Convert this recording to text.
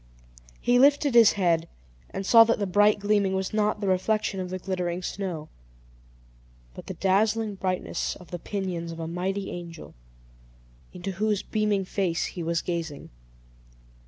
He lifted his head, and saw that the bright gleaming was not the reflection of the glittering snow, but the dazzling brightness of the pinions of a mighty angel, into whose beaming face he was gazing.